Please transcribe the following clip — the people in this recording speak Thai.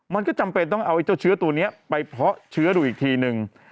มันก็จำเป็นต้องเอาเจ้าเชื้อตัวนี้ไปเพาะเชื้อดูอีกทีนึง